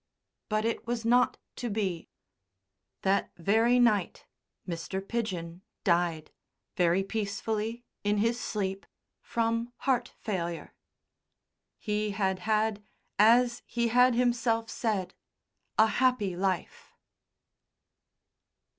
But it was not to be. That very night Mr. Pidgen died, very peacefully, in his sleep, from heart failure. He had had, as he had himself said, a happy life.